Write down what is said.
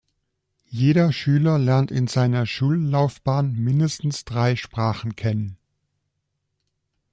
Jeder Schüler lernt in seiner Schullaufbahn mindestens drei Sprachen kennen.